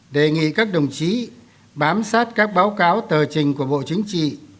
đề nghị các đồng chí bám sát các báo cáo tờ trình của bộ chính trị